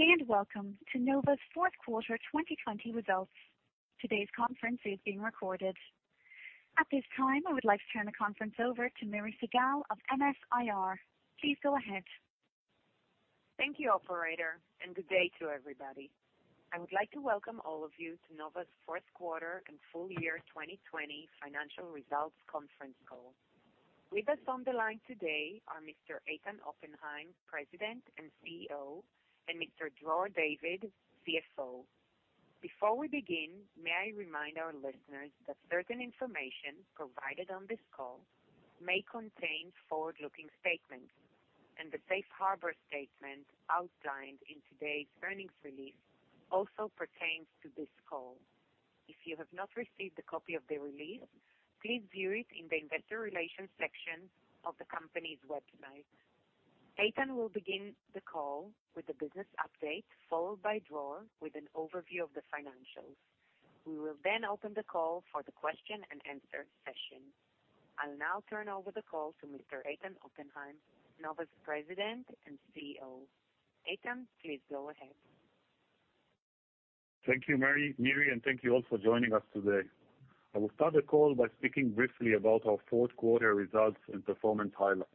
Good day, and welcome to Nova's fourth quarter 2020 results. Today's conference is being recorded. At this time, I would like to turn the conference over to Miri Segal of MS-IR. Please go ahead. Thank you, operator. Good day to everybody. I would like to welcome all of you to Nova's fourth quarter and full year 2020 financial results conference call. With us on the line today are Mr. Eitan Oppenhaim, President and CEO, and Mr. Dror David, CFO. Before we begin, may I remind our listeners that certain information provided on this call may contain forward-looking statements. The safe harbor statement outlined in today's earnings release also pertains to this call. If you have not received a copy of the release, please view it in the investor relations section of the company's website. Eitan will begin the call with a business update, followed by Dror with an overview of the financials. We will open the call for the question-and-answer session. I'll now turn over the call to Mr. Eitan Oppenhaim, Nova's President and CEO. Eitan, please go ahead. Thank you, Miri, and thank you all for joining us today. I will start the call by speaking briefly about our fourth quarter results and performance highlights.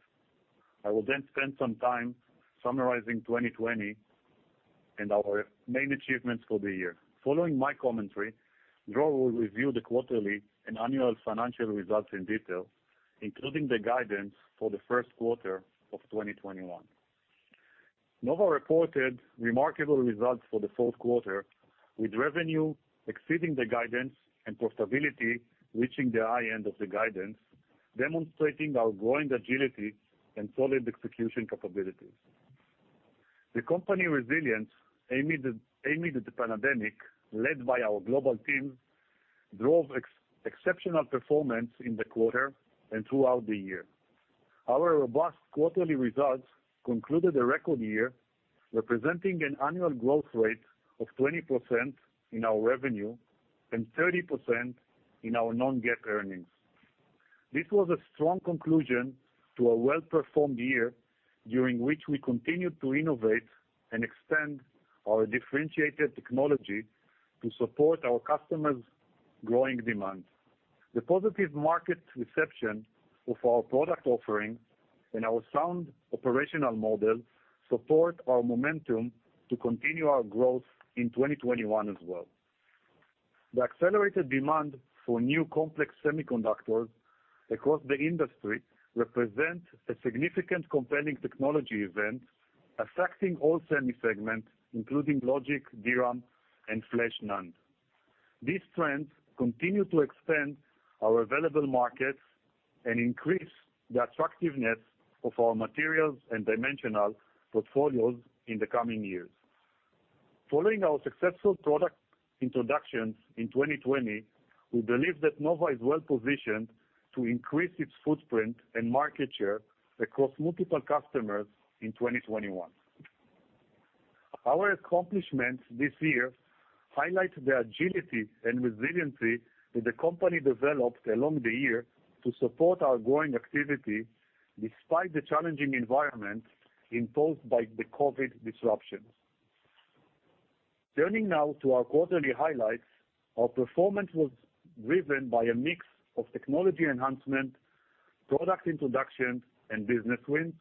I will then spend some time summarizing 2020 and our main achievements for the year. Following my commentary, Dror will review the quarterly and annual financial results in detail, including the guidance for the first quarter of 2021. Nova reported remarkable results for the fourth quarter, with revenue exceeding the guidance and profitability reaching the high end of the guidance, demonstrating our growing agility and solid execution capabilities. The company resilience amid the pandemic, led by our global team, drove exceptional performance in the quarter and throughout the year. Our robust quarterly results concluded a record year, representing an annual growth rate of 20% in our revenue and 30% in our non-GAAP earnings. This was a strong conclusion to a well-performed year, during which we continued to innovate and extend our differentiated technology to support our customers' growing demands. The positive market reception of our product offerings and our sound operational model support our momentum to continue our growth in 2021 as well. The accelerated demand for new complex semiconductors across the industry represents a significant compelling technology event affecting all semi-segments, including Logic, DRAM, and Flash NAND. These trends continue to expand our available markets and increase the attractiveness of our materials and dimensional portfolios in the coming years. Following our successful product introductions in 2020, we believe that Nova is well-positioned to increase its footprint and market share across multiple customers in 2021. Our accomplishments this year highlight the agility and resiliency that the company developed along the year to support our growing activity, despite the challenging environment imposed by the COVID disruptions. Turning now to our quarterly highlights, our performance was driven by a mix of technology enhancement, product introduction, and business wins,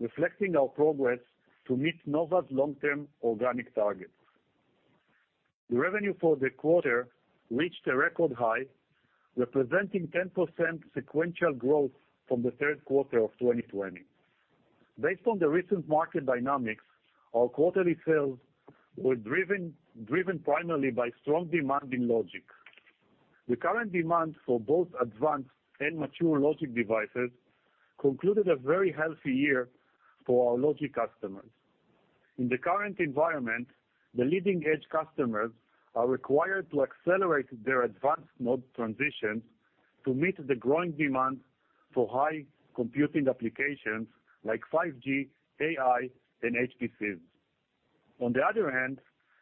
reflecting our progress to meet Nova's long-term organic targets. The revenue for the quarter reached a record high, representing 10% sequential growth from the third quarter of 2020. Based on the recent market dynamics, our quarterly sales were driven primarily by strong demand in logic. The current demand for both advanced and mature logic devices concluded a very healthy year for our logic customers. In the current environment, the leading-edge customers are required to accelerate their advanced node transitions to meet the growing demand for high computing applications like 5G, AI, and HPCs. On the other hand,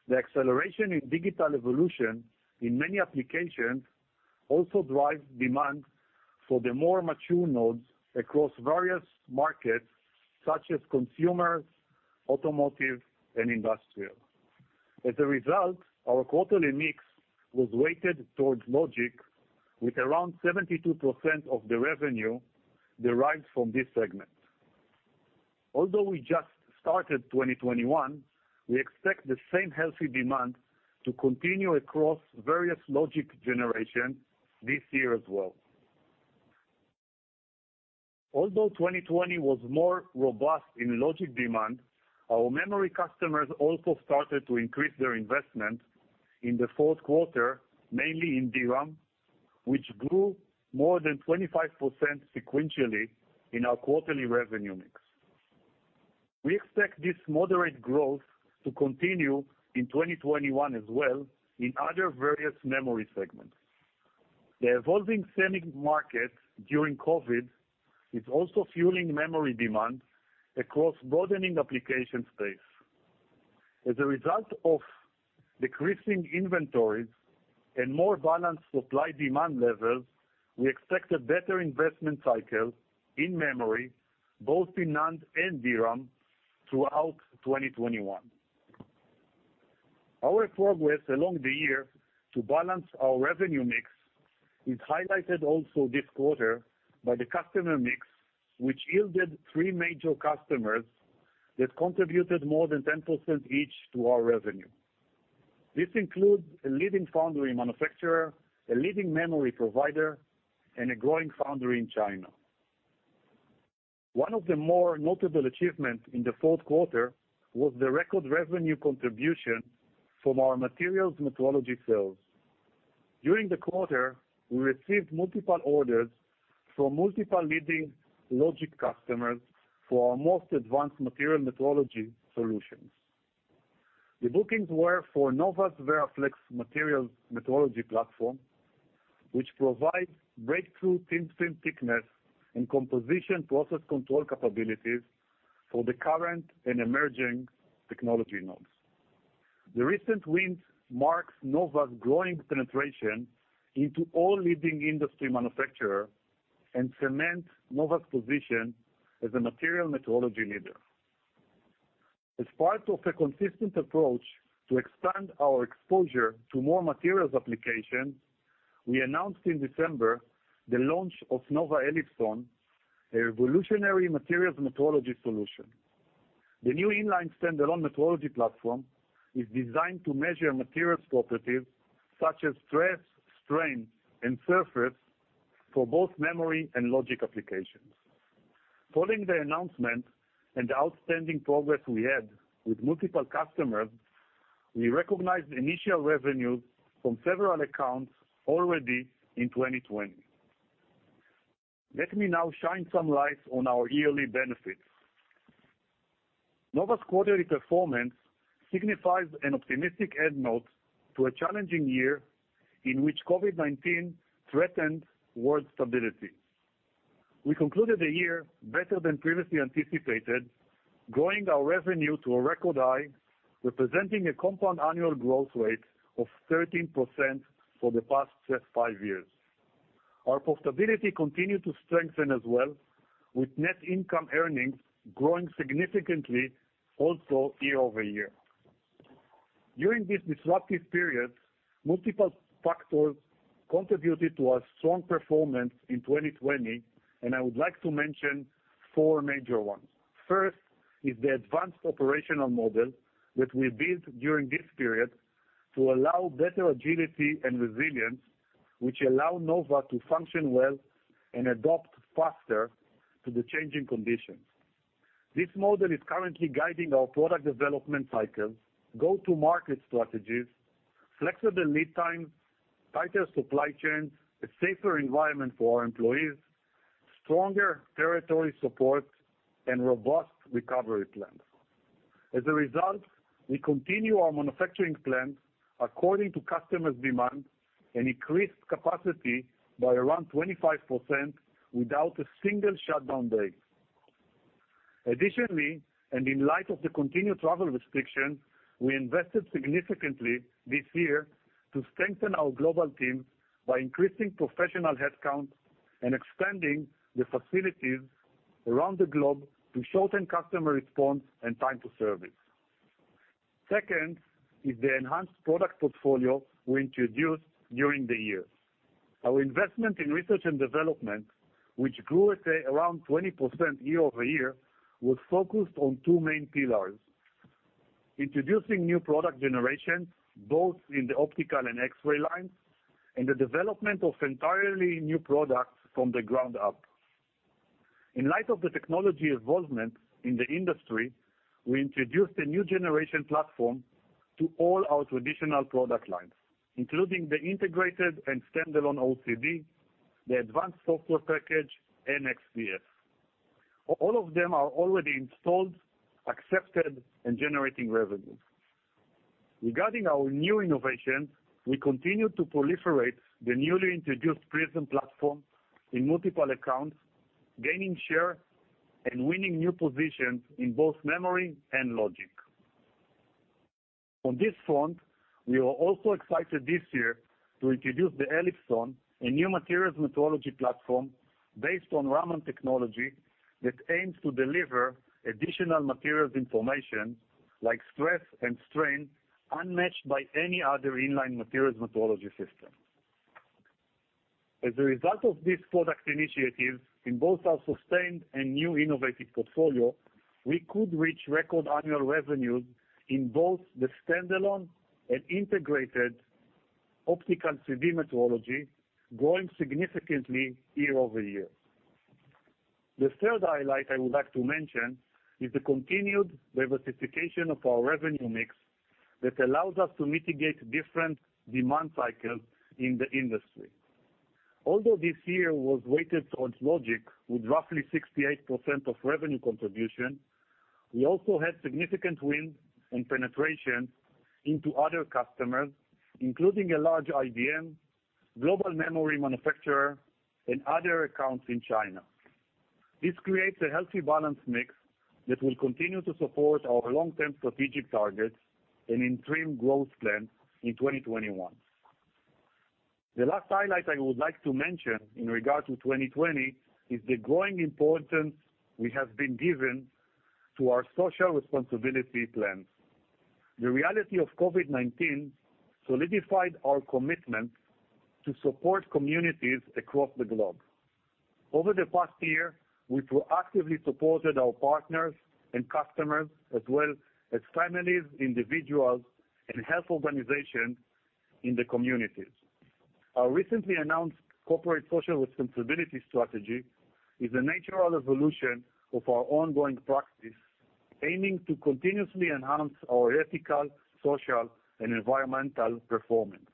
the acceleration in digital evolution in many applications also drives demand for the more mature nodes across various markets such as consumer, automotive, and industrial. As a result, our quarterly mix was weighted towards logic, with around 72% of the revenue derived from this segment. Although we just started 2021, we expect the same healthy demand to continue across various logic generations this year as well. Although 2020 was more robust in logic demand, our memory customers also started to increase their investment in the fourth quarter, mainly in DRAM, which grew more than 25% sequentially in our quarterly revenue mix. We expect this moderate growth to continue in 2021 as well in other various memory segments. The evolving semi market during COVID is also fueling memory demand across broadening application space. As a result of decreasing inventories and more balanced supply-demand levels, we expect a better investment cycle in memory, both in NAND and DRAM throughout 2021. Our progress along the year to balance our revenue mix is highlighted also this quarter by the customer mix, which yielded three major customers that contributed more than 10% each to our revenue. This includes a leading foundry manufacturer, a leading memory provider, and a growing foundry in China. One of the more notable achievements in the fourth quarter was the record revenue contribution from our materials metrology sales. During the quarter, we received multiple orders from multiple leading logic customers for our most advanced material metrology solutions. The bookings were for Nova's VeraFlex materials metrology platform, which provides breakthrough thin film thickness and composition process control capabilities for the current and emerging technology nodes. The recent win marks Nova's growing penetration into all leading industry manufacturer and cements Nova's position as a material metrology leader. As part of a consistent approach to expand our exposure to more materials applications, we announced in December the launch of Nova ELIPSON, a revolutionary materials metrology solution. The new in-line standalone metrology platform is designed to measure materials properties such as stress, strain, and surface for both memory and logic applications. Following the announcement and outstanding progress we had with multiple customers, we recognized initial revenues from several accounts already in 2020. Let me now shine some light on our yearly benefits. Nova's quarterly performance signifies an optimistic end note to a challenging year in which COVID-19 threatened world stability. We concluded the year better than previously anticipated, growing our revenue to a record high, representing a compound annual growth rate of 13% for the past five years. Our profitability continued to strengthen as well, with net income earnings growing significantly also year-over-year. During this disruptive period, multiple factors contributed to our strong performance in 2020, and I would like to mention four major ones. First is the advanced operational model that we built during this period to allow better agility and resilience, which allow Nova to function well and adapt faster to the changing conditions. This model is currently guiding our product development cycles, go-to-market strategies, flexible lead times, tighter supply chains, a safer environment for our employees, stronger territory support, and robust recovery plans. As a result, we continue our manufacturing plans according to customers' demand and increased capacity by around 25% without a single shutdown day. Additionally, and in light of the continued travel restrictions, we invested significantly this year to strengthen our global team by increasing professional headcount and expanding the facilities around the globe to shorten customer response and time to service. Second is the enhanced product portfolio we introduced during the year. Our investment in research and development, which grew at around 20% year-over-year, was focused on two main pillars. Introducing new product generations, both in the optical and X-ray lines, and the development of entirely new products from the ground up. In light of the technology evolvement in the industry, we introduced a new generation platform to all our traditional product lines, including the integrated and standalone OCD, the advanced software package, and XPS. All of them are already installed, accepted, and generating revenue. Regarding our new innovation, we continue to proliferate the newly introduced PRIZM platform in multiple accounts, gaining share and winning new positions in both memory and logic. On this front, we are also excited this year to introduce the ELIPSON, a new materials metrology platform based on Raman technology that aims to deliver additional materials information like stress and strain, unmatched by any other in-line materials metrology system. As a result of these product initiatives, in both our sustained and new innovative portfolio, we could reach record annual revenues in both the standalone and integrated optical CD metrology, growing significantly year-over-year. The third highlight I would like to mention is the continued diversification of our revenue mix that allows us to mitigate different demand cycles in the industry. Although this year was weighted towards logic with roughly 68% of revenue contribution, we also had significant wins and penetration into other customers, including a large IDM, global memory manufacturer, and other accounts in China. This creates a healthy balance mix that will continue to support our long-term strategic targets and interim growth plan in 2021. The last highlight I would like to mention in regard to 2020 is the growing importance we have been giving to our Social Responsibility Plan. The reality of COVID-19 solidified our commitment to support communities across the globe. Over the past year, we've actively supported our partners and customers, as well as families, individuals, and health organizations in the communities. Our recently announced Corporate Social Responsibility Strategy is a natural evolution of our ongoing practice, aiming to continuously enhance our ethical, social, and environmental performance.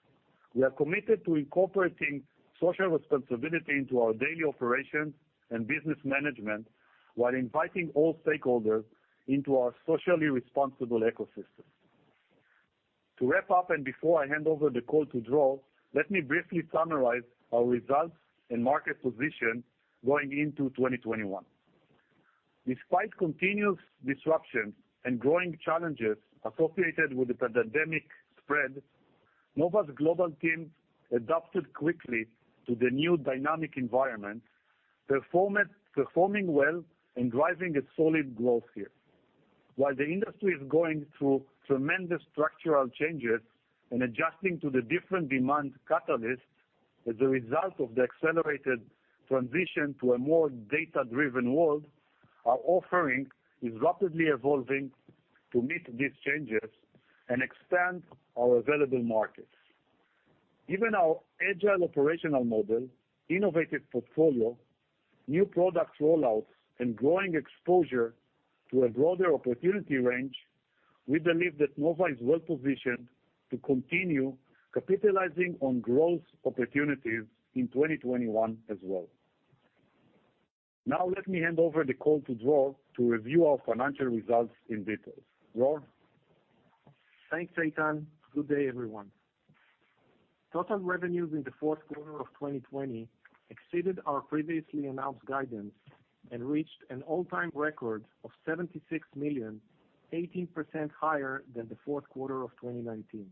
We are committed to incorporating social responsibility into our daily operations and business management while inviting all stakeholders into our socially responsible ecosystem. To wrap up, and before I hand over the call to Dror, let me briefly summarize our results and market position going into 2021. Despite continuous disruption and growing challenges associated with the pandemic spread, Nova's global team adapted quickly to the new dynamic environment, performing well and driving a solid growth year. While the industry is going through tremendous structural changes and adjusting to the different demand catalysts as a result of the accelerated transition to a more data-driven world, our offering is rapidly evolving to meet these changes and expand our available markets. Given our agile operational model, innovative portfolio, new product rollouts, and growing exposure to a broader opportunity range, we believe that Nova is well-positioned to continue capitalizing on growth opportunities in 2021 as well. Now let me hand over the call to Dror to review our financial results in detail. Dror? Thanks, Eitan. Good day, everyone. Total revenues in the fourth quarter of 2020 exceeded our previously announced guidance and reached an all-time record of 76 million, 18% higher than the fourth quarter of 2019.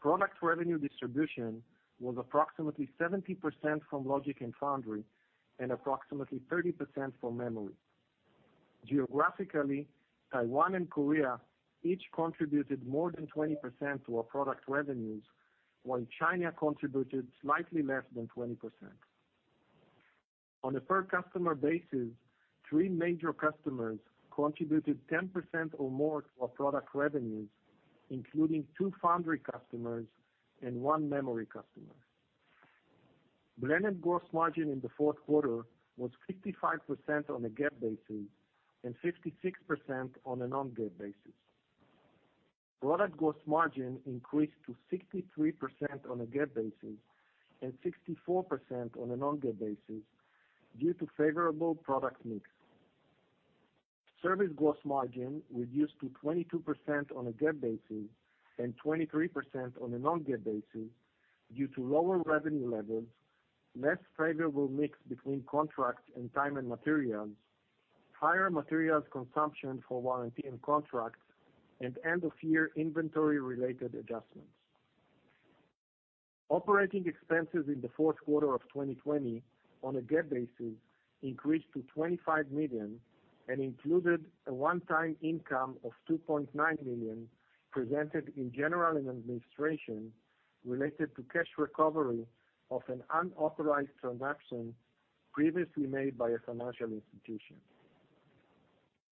Product revenue distribution was approximately 70% from logic and foundry and approximately 30% from memory. Geographically, Taiwan and Korea each contributed more than 20% to our product revenues, while China contributed slightly less than 20%. On a per customer basis, three major customers contributed 10% or more to our product revenues, including two foundry customers and one memory customer. Blended gross margin in the fourth quarter was 55% on a GAAP basis and 56% on a non-GAAP basis. Product gross margin increased to 63% on a GAAP basis and 64% on a non-GAAP basis due to favorable product mix. Service gross margin reduced to 22% on a GAAP basis and 23% on a non-GAAP basis due to lower revenue levels, less favorable mix between contracts and time and materials, higher materials consumption for warranty and contracts, and end-of-year inventory-related adjustments. Operating expenses in the fourth quarter of 2020 on a GAAP basis increased to 25 million and included a one-time income of 2.9 million presented in general and administration related to cash recovery of an unauthorized transaction previously made by a financial institution.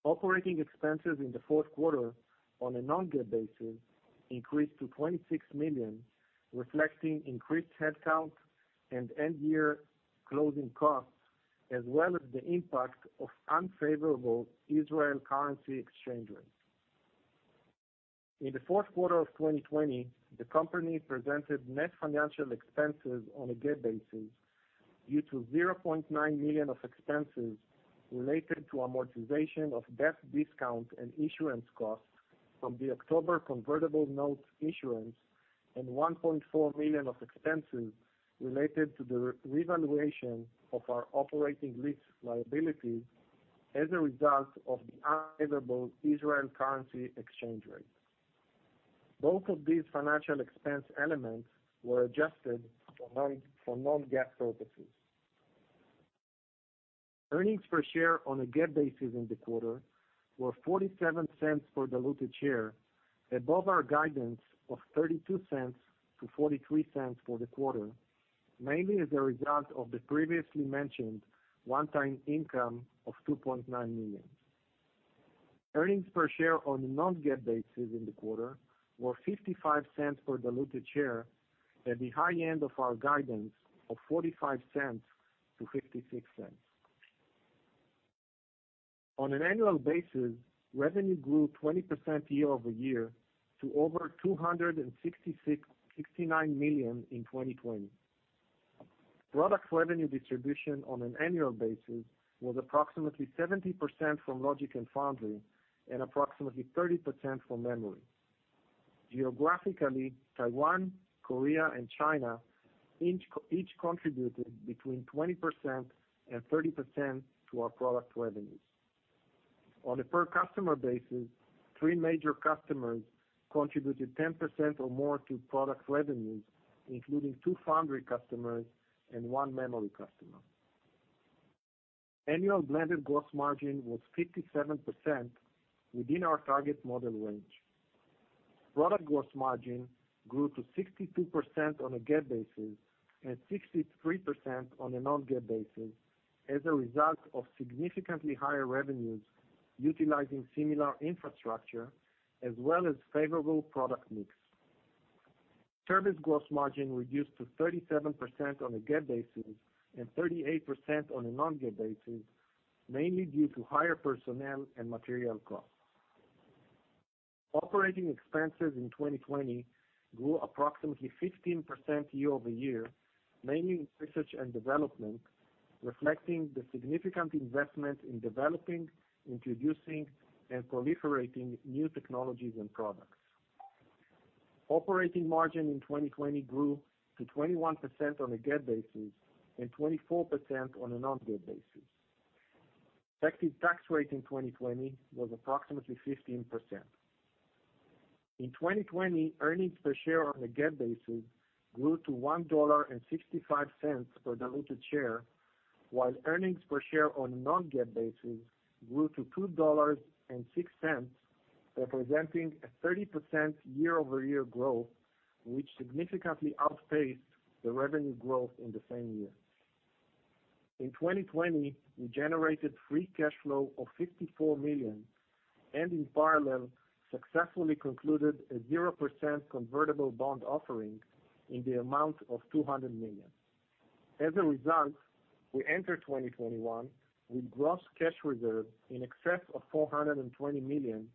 Operating expenses in the fourth quarter on a non-GAAP basis increased to 26 million, reflecting increased headcount and end-year closing costs, as well as the impact of unfavorable Israel currency exchange rates. In the fourth quarter of 2020, the company presented net financial expenses on a GAAP basis due to 0.9 million of expenses related to amortization of debt discount and issuance costs from the October convertible notes issuance and 1.4 million of expenses related to the revaluation of our operating lease liability as a result of the unfavorable Israel currency exchange rate. Both of these financial expense elements were adjusted for non-GAAP purposes. Earnings per share on a GAAP basis in the quarter were 0.47 per diluted share, above our guidance of 0.32-0.43 for the quarter, mainly as a result of the previously mentioned one-time income of 2.9 million. Earnings per share on a non-GAAP basis in the quarter were 0.55 per diluted share at the high end of our guidance of 0.45-0.56. On an annual basis, revenue grew 20% year-over-year to over 269 million in 2020. Product revenue distribution on an annual basis was approximately 70% from logic and foundry and approximately 30% from memory. Geographically, Taiwan, Korea, and China each contributed between 20% and 30% to our product revenues. On a per customer basis, three major customers contributed 10% or more to product revenues, including two foundry customers and one memory customer. Annual blended gross margin was 57% within our target model range. Product gross margin grew to 62% on a GAAP basis and 63% on a non-GAAP basis as a result of significantly higher revenues utilizing similar infrastructure as well as favorable product mix. Service gross margin reduced to 37% on a GAAP basis and 38% on a non-GAAP basis, mainly due to higher personnel and material costs. Operating expenses in 2020 grew approximately 15% year-over-year, mainly in research and development, reflecting the significant investment in developing, introducing, and proliferating new technologies and products. Operating margin in 2020 grew to 21% on a GAAP basis and 24% on a non-GAAP basis. Effective tax rate in 2020 was approximately 15%. In 2020, earnings per share on a GAAP basis grew to $1.65 per diluted share, while earnings per share on non-GAAP basis grew to $2.06, representing a 30% year-over-year growth, which significantly outpaced the revenue growth in the same year. In 2020, we generated free cash flow of 54 million and in parallel, successfully concluded a 0% convertible bond offering in the amount of 200 million. As a result, we enter 2021 with gross cash reserves in excess of 420 million,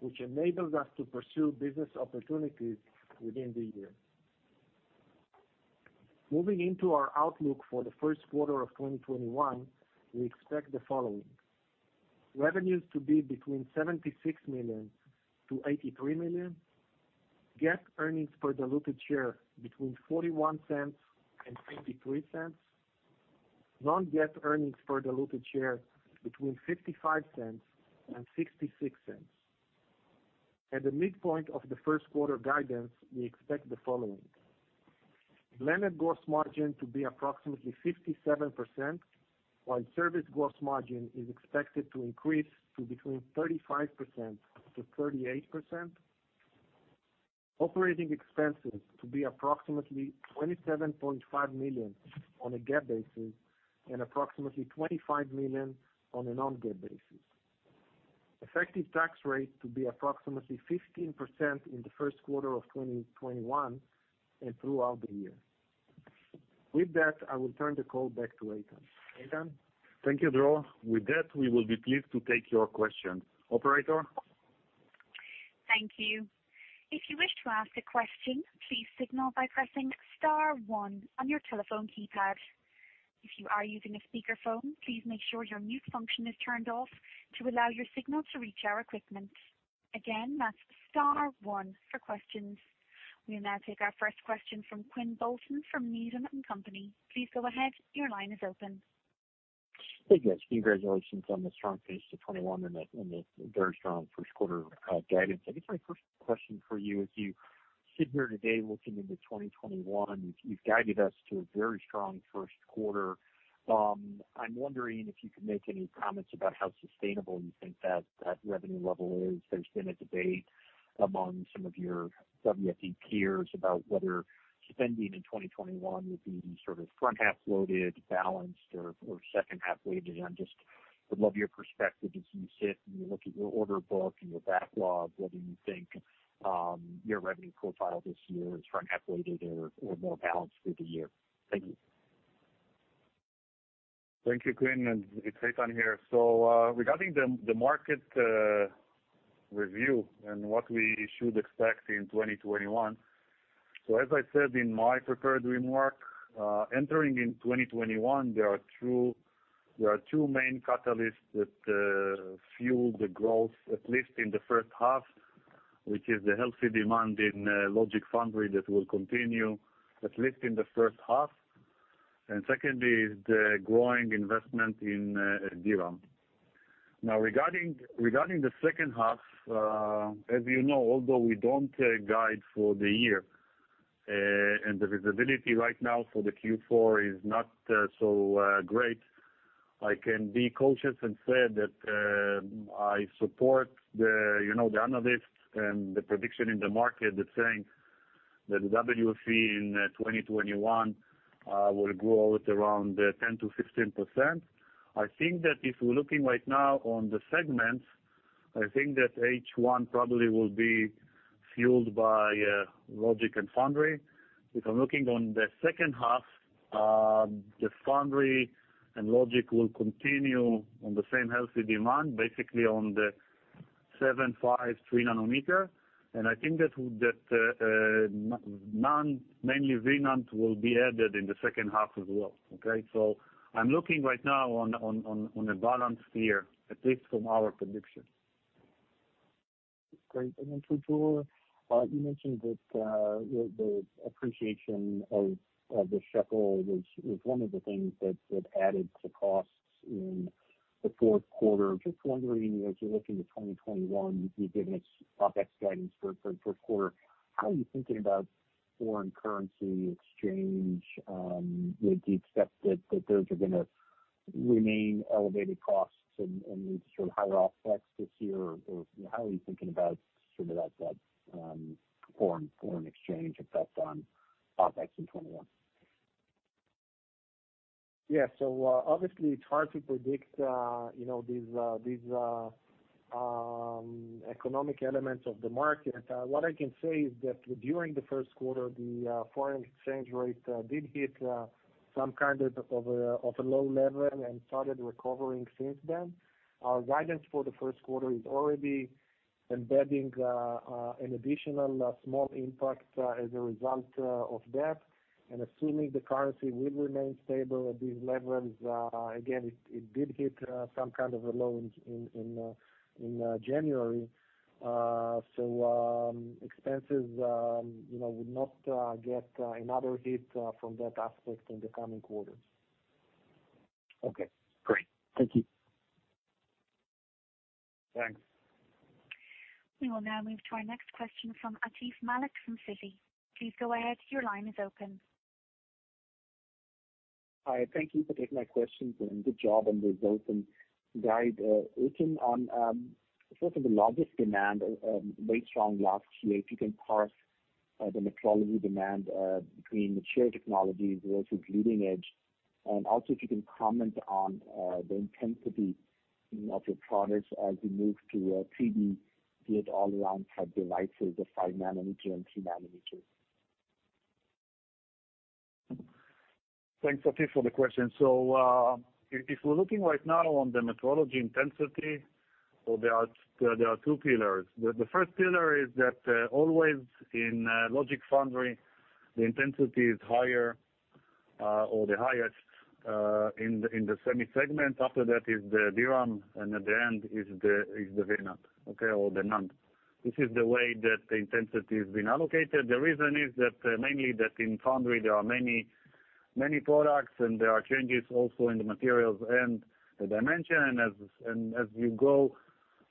which enables us to pursue business opportunities within the year. Moving into our outlook for the first quarter of 2021, we expect the following. Revenues to be between 76 million-83 million. GAAP earnings per diluted share between 0.41 and 0.53. Non-GAAP earnings per diluted share between 0.55 and 0.66. At the midpoint of the first quarter guidance, we expect the following. Blended gross margin to be approximately 57%, while service gross margin is expected to increase to between 35%-38%. Operating expenses to be approximately 27.5 million on a GAAP basis and approximately 25 million on a non-GAAP basis. Effective tax rate to be approximately 15% in the first quarter of 2021 and throughout the year. With that, I will turn the call back to Eitan. Eitan? Thank you, Dror. With that, we will be pleased to take your questions. Operator? Thank you. If you wish to ask a question, please signal by pressing star one on your telephone keypad. If you are using a speakerphone, please make sure your mute function is tuned off to allow your signal to reach our equipment. Again, that's star one for questions. We'll now take our first question from Quinn Bolton from Needham & Company. Please go ahead. Your line is open. Hey, guys. Congratulations on the strong finish to 2021 and the very strong first quarter guidance. I guess my first question for you, as you sit here today looking into 2021, you've guided us to a very strong first quarter. I'm wondering if you could make any comments about how sustainable you think that revenue level is. There's been a debate among some of your WFE peers about whether spending in 2021 would be sort of front half loaded, balanced or second half weighted. I just would love your perspective as you sit and you look at your order book and your backlog, whether you think your revenue profile this year is front half weighted or more balanced through the year. Thank you. Thank you, Quinn. It's Eitan here. Regarding the market review and what we should expect in 2021. As I said in my prepared remark, entering in 2021, there are two main catalysts that fuel the growth, at least in the first half, which is the healthy demand in logic foundry that will continue at least in the first half. Second is the growing investment in DRAM. Regarding the second half, as you know, although we don't guide for the year, and the visibility right now for the Q4 is not so great, I can be cautious and say that I support the analysts and the prediction in the market that's saying that WFE in 2021 will grow at around 10%-15%. I think that if we're looking right now on the segments, I think that H1 probably will be fueled by logic and foundry. If I'm looking on the second half, the foundry and logic will continue on the same healthy demand, basically on the 7, 5, 3 nm. I think that mainly VNAND will be added in the second half as well. Okay? I'm looking right now on a balanced year, at least from our prediction. Great. Dror, you mentioned that the appreciation of the shekel was one of the things that added to costs in the fourth quarter. Wondering, as you look into 2021, you've given us OpEx guidance for the first quarter, how are you thinking about foreign currency exchange? Do you expect that those are going to remain elevated costs and lead to higher OpEx this year? How are you thinking about that foreign exchange effect on OpEx in 2021? Obviously, it's hard to predict these economic elements of the market. What I can say is that during the first quarter, the foreign exchange rate did hit some kind of a low level and started recovering since then. Our guidance for the first quarter is already embedding an additional small impact as a result of that, and assuming the currency will remain stable at these levels. Again, it did hit some kind of a low in January. Expenses will not get another hit from that aspect in the coming quarters. Okay, great. Thank you. Thanks. We will now move to our next question from Atif Malik from Citi. Please go ahead. Your line is open. Hi, thank you for taking my questions. Good job on the results and guide, Eitan. In terms of the logic demand, very strong last year. If you can parse the metrology demand between mature technologies versus leading edge. Also, if you can comment on the intensity of your products as we move to 3D gate-all-around fab devices of 5 nm and 3 nm. Thanks, Atif, for the question. If we're looking right now on the metrology intensity, there are two pillars. The first pillar is that always in logic foundry, the intensity is higher or the highest in the semi segment. After that is the DRAM, and at the end is the VNAND or the NAND. This is the way that the intensity is being allocated. The reason is that mainly that in foundry, there are many products, and there are changes also in the materials and the dimension. As you go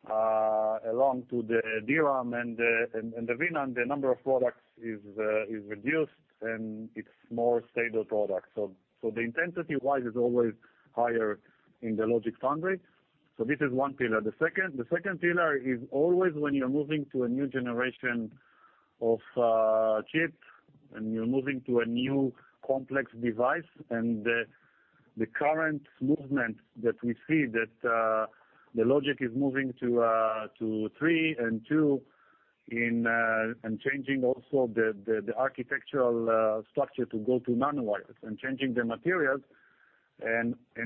along to the DRAM and the VNAND, the number of products is reduced, and it's more stable products. The intensity-wise is always higher in the logic foundry. This is one pillar. The second pillar is always when you're moving to a new generation of chip, and you're moving to a new complex device. The current movement that we see that the logic is moving to three and two, and changing also the architectural structure to go to nanowires and changing the materials.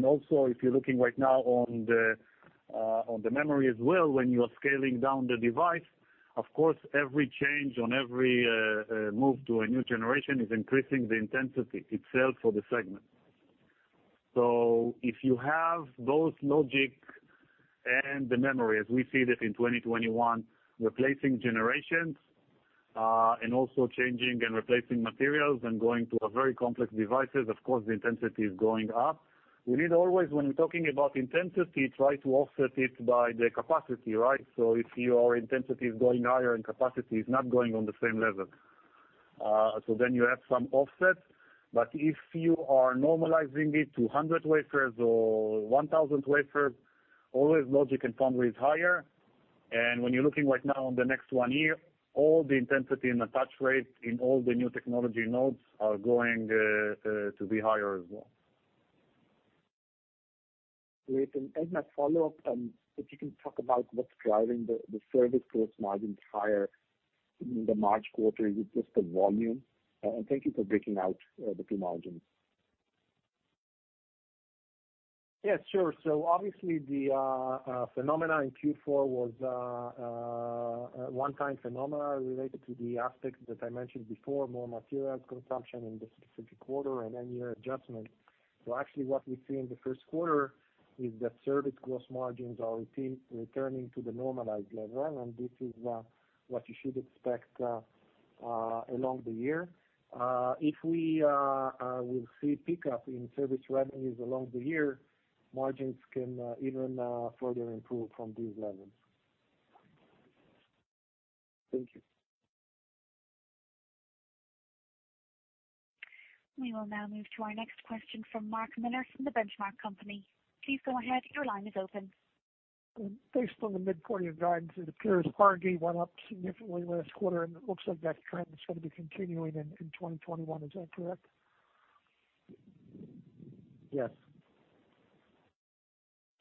Also, if you're looking right now on the memory as well, when you are scaling down the device, of course, every change on every move to a new generation is increasing the intensity itself for the segment. If you have both logic and the memory, as we see that in 2021, replacing generations and also changing and replacing materials and going to a very complex devices, of course, the intensity is going up. We need always, when we're talking about intensity, try to offset it by the capacity, right? If your intensity is going higher and capacity is not going on the same level. Then you have some offset. If you are normalizing it to 100 wafers or 1,000 wafers, always logic and foundry is higher. When you're looking right now on the next one year, all the intensity and attach rates in all the new technology nodes are going to be higher as well. Great. As my follow-up, if you can talk about what's driving the service gross margins higher in the March quarter. Is it just the volume? Thank you for breaking out the two margins. Yeah, sure. Obviously, the phenomenon in Q4 was a one-time phenomenon related to the aspects that I mentioned before, more materials consumption in the specific quarter and end-of-year adjustment. Actually, what we see in the first quarter is that service gross margins are returning to the normalized level, and this is what you should expect along the year. If we will see pickup in service revenues along the year, margins can even further improve from these levels. Thank you. We will now move to our next question from Mark Miller from The Benchmark Company. Please go ahead. Your line is open. Based on the mid-quarter guidance, it appears backlog went up significantly last quarter, and it looks like that trend is going to be continuing in 2021. Is that correct? Yes.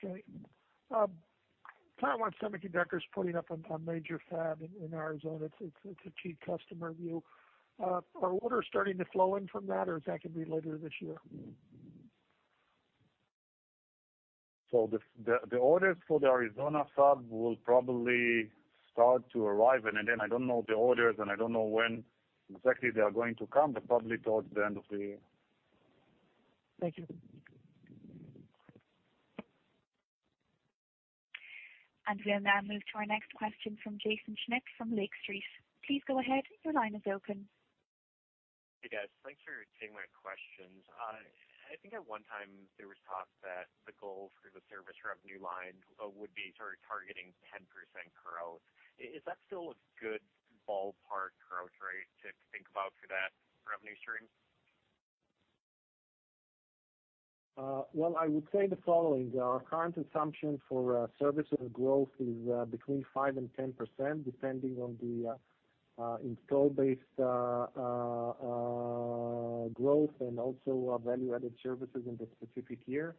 Okay. Taiwan Semiconductor is putting up a major fab in Arizona. It's a key customer of you. Are orders starting to flow in from that, or is that going to be later this year? The orders for the Arizona fab will probably start to arrive, and again, I don't know the orders, and I don't know when exactly they are going to come, but probably towards the end of the year. Thank you. We'll now move to our next question from Jaeson Schmidt from Lake Street. Please go ahead. Your line is open. Hey, guys. Thanks for taking my questions. I think at one time there was talk that the goal for the service revenue line would be sort of targeting 10% growth. Is that still a good ballpark growth rate to think about for that revenue stream? I would say the following. Our current assumption for services growth is between 5% and 10%, depending on the install-based growth and also value-added services in the specific year.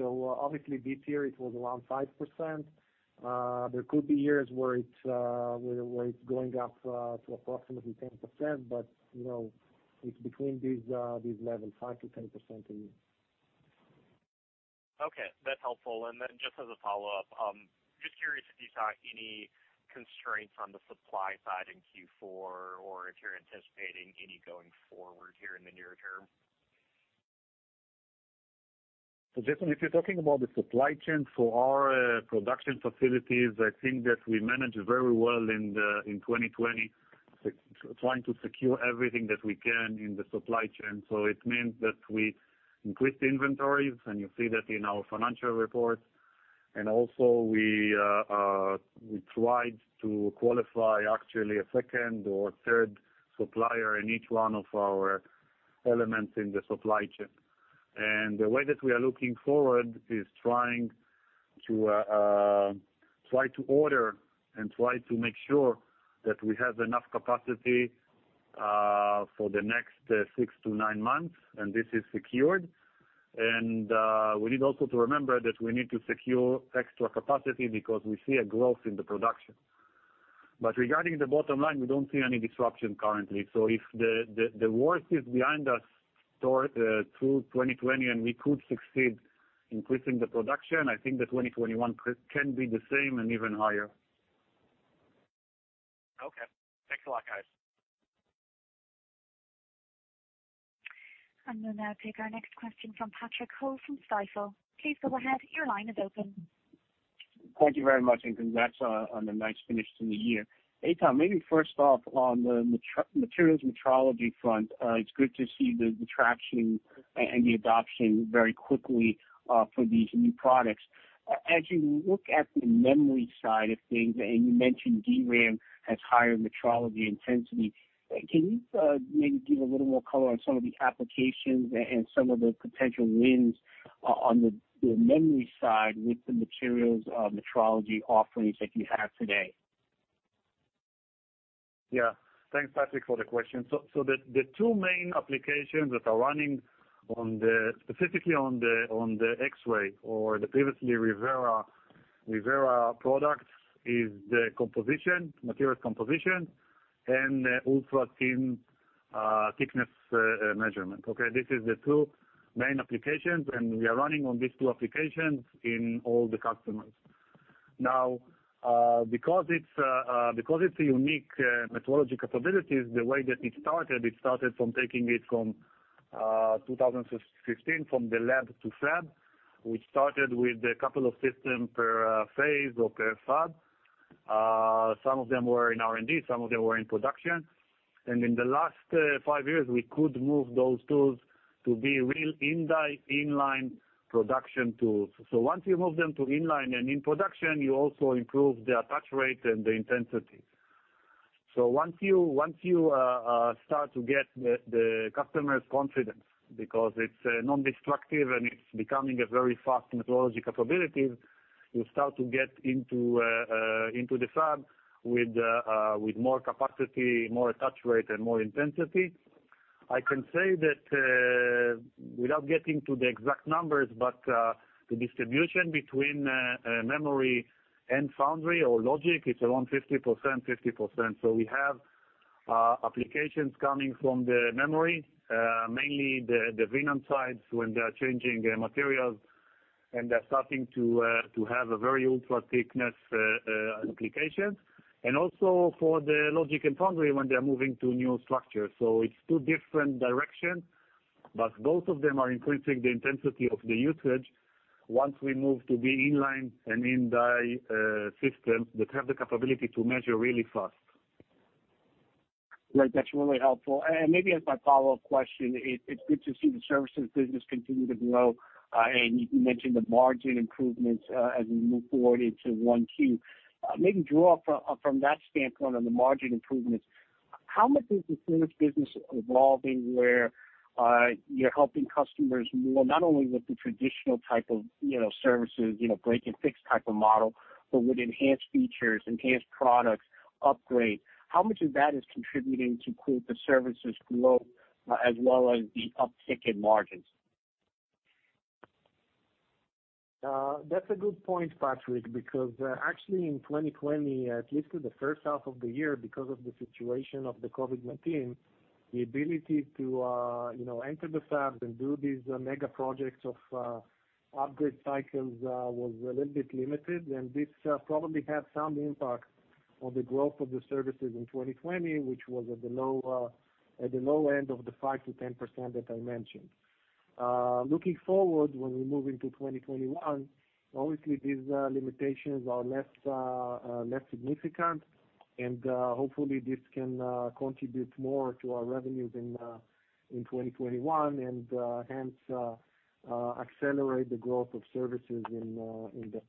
Obviously, this year it was around 5%. There could be years where it's going up to approximately 10%, it's between these levels, 5%-10% a year. Okay, that's helpful. Just as a follow-up, just curious if you saw any constraints on the supply side in Q4 or if you're anticipating any going forward here in the near-term. Jaeson, if you're talking about the supply chain for our production facilities, I think that we managed very well in 2020, trying to secure everything that we can in the supply chain. So it means that we increased inventories, and you see that in our financial report. Also we tried to qualify actually a second or third supplier in each one of our elements in the supply chain. The way that we are looking forward is trying to order and try to make sure that we have enough capacity for the next six to nine months, and this is secured. We need also to remember that we need to secure extra capacity because we see a growth in the production. Regarding the bottom line, we don't see any disruption currently. If the worst is behind us through 2020, and we could succeed increasing the production, I think that 2021 can be the same and even higher. Okay. Thanks a lot, guys. We'll now take our next question from Patrick Ho from Stifel. Please go ahead. Your line is open. Thank you very much. Congrats on the nice finish to the year. Eitan, maybe first off, on the materials metrology front, it's good to see the traction and the adoption very quickly for these new products. As you look at the memory side of things, and you mentioned DRAM has higher metrology intensity, can you maybe give a little more color on some of the applications and some of the potential wins on the memory side with the materials metrology offerings that you have today? Yeah. Thanks, Patrick, for the question. The two main applications that are running specifically on the X-ray or the previously ReVera products is the materials composition and ultra-thin thickness measurement, okay? These are the two main applications, and we are running on these two applications in all the customers. Now because it's a unique metrology capabilities, the way that it started from taking it from 2015 from the lab to fab. We started with a couple of systems per phase or per fab. Some of them were in R&D, some of them were in production. In the last five years, we could move those tools to be real in-die, in-line production tools. Once you move them to in-line and in production, you also improve the attach rate and the intensity. Once you start to get the customer's confidence, because it's non-destructive and it's becoming a very fast metrology capabilities, you start to get into the fab with more capacity, more attach rate, and more intensity. I can say that, without getting to the exact numbers, but the distribution between memory and foundry or logic, it's around 50%, 50%. We have applications coming from the memory, mainly the VNAND sides when they are changing materials, and they're starting to have a very ultra thickness applications. Also for the logic and foundry when they're moving to new structures. It's two different directions, but both of them are increasing the intensity of the usage once we move to the in-line and in-die systems that have the capability to measure really fast. Great. That's really helpful. Maybe as my follow-up question, it's good to see the services business continue to grow, and you mentioned the margin improvements as we move forward into 1Q. Maybe, Dror, from that standpoint on the margin improvements. How much is the service business evolving where you're helping customers more not only with the traditional type of services, break-and-fix type of model, but with enhanced features, enhanced products, upgrade? How much of that is contributing to, quote, the services growth as well as the uptick in margins? That's a good point, Patrick, because actually in 2020, at least for the first half of the year, because of the situation of the COVID-19, the ability to enter the fabs and do these mega projects of upgrade cycles was a little bit limited, and this probably had some impact on the growth of the services in 2020, which was at the low end of the 5%-10% that I mentioned. Looking forward when we move into 2021, obviously these limitations are less significant and hopefully this can contribute more to our revenues in 2021, and hence accelerate the growth of services in the.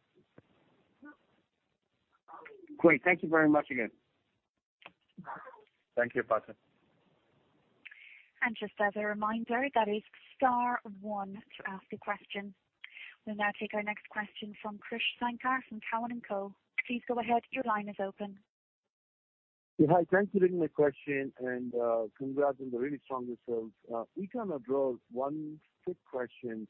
Great. Thank you very much again. Thank you, Patrick. Just as a reminder, that is star one to ask a question. We'll now take our next question from Krish Sankar from Cowen & Company. Please go ahead. Your line is open. Yeah, hi, thank you for taking my question and congrats on the really strong results. If I may throw one quick question.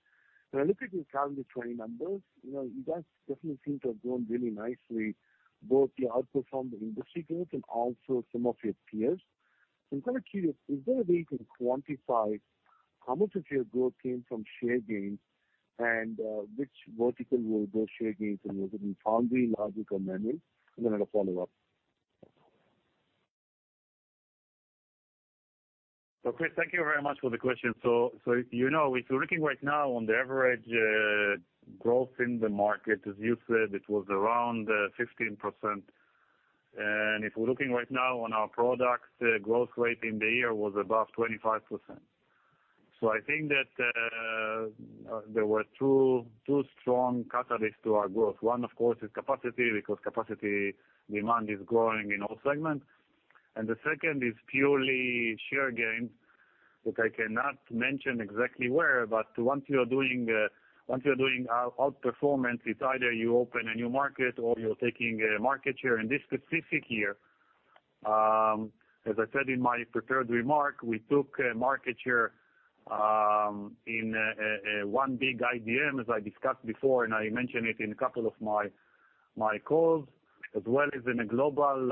When I look at your calendar 2020 numbers, you guys definitely seem to have grown really nicely, both you outperformed the industry growth and also some of your peers. I'm kind of curious, is there a way you can quantify how much of your growth came from share gains, and which vertical were those share gains in? Was it in foundry, logic, or memory? And then I'll follow up. Krish, thank you very much for the question. If you're looking right now on the average growth in the market, as you said, it was around 15%. If we're looking right now on our products, the growth rate in the year was above 25%. I think that there were two strong catalysts to our growth. One, of course, is capacity, because capacity demand is growing in all segments. The second is purely share gains, which I cannot mention exactly where, but once you're doing outperformance, it's either you open a new market or you're taking a market share. In this specific year, as I said in my prepared remark, we took a market share in one big IDM, as I discussed before, and I mentioned it in a couple of my calls. As well as in a global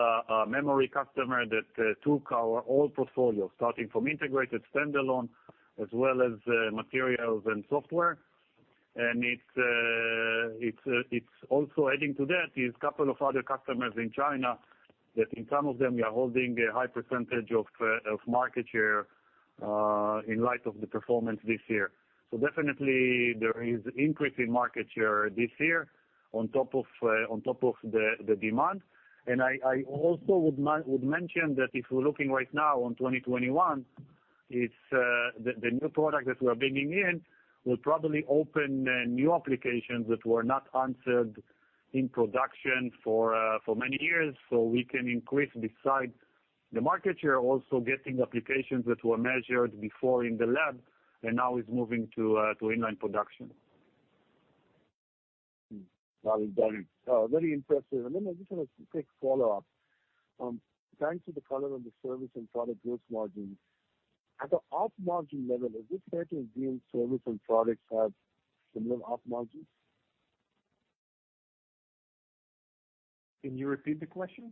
memory customer that took our old portfolio, starting from integrated standalone as well as materials and software. It's also adding to that is couple of other customers in China that in some of them we are holding a high percentage of market share in light of the performance this year. Definitely there is increase in market share this year on top of the demand. I also would mention that if we're looking right now on 2021, the new product that we're bringing in will probably open new applications that were not answered in production for many years. We can increase besides the market share, also getting applications that were measured before in the lab and now is moving to inline production. Well done. Very impressive. I just want to quick follow up. Thanks for the color on the service and product gross margin. At the op margin level, is it fair to assume service and products have similar op margins? Can you repeat the question?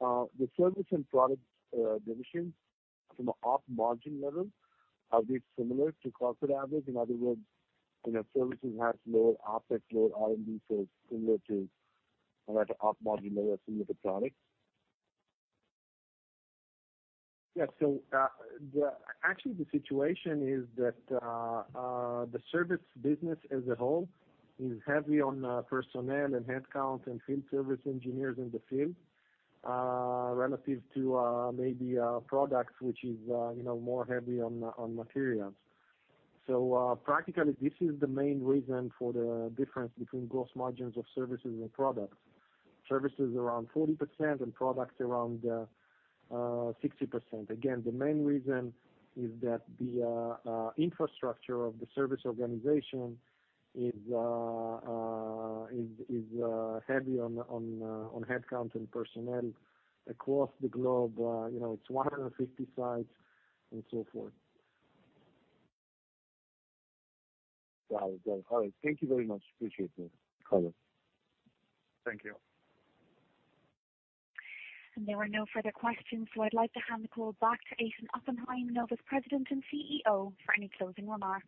The service and product divisions from the op margin level, are these similar to corporate average? In other words, services has lower OpEx, lower R&D, so it's similar to, on at the op margin level, similar to products? Yeah. Actually the situation is that the service business as a whole is heavy on personnel and headcount and field service engineers in the field, relative to maybe products which is more heavy on materials. Practically this is the main reason for the difference between gross margins of services and products. Service is around 40% and products around 60%. Again, the main reason is that the infrastructure of the service organization is heavy on headcount and personnel across the globe. It's 150 sites and so forth. Well done. All right. Thank you very much. Appreciate the color. Thank you. There were no further questions, so I'd like to hand the call back to Eitan Oppenhaim, Nova's President and CEO, for any closing remarks.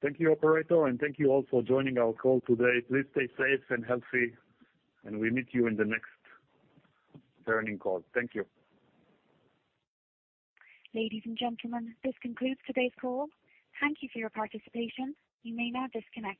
Thank you, operator, and thank you all for joining our call today. Please stay safe and healthy, and we'll meet you in the next earning call. Thank you. Ladies and gentlemen, this concludes today's call. Thank you for your participation. You may now disconnect.